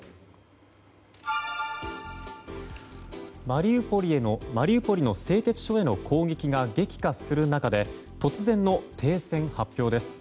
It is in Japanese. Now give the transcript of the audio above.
マリウポリの製鉄所への攻撃が激化する中で突然の停戦発表です。